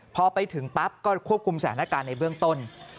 พอไปถึงปั๊บก็ควบคุมสถานการณ์ในเบื้องต้น